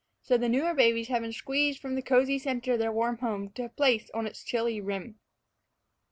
So the newer babies had been squeezed from the cozy center of their warm home to a place on its chilly rim.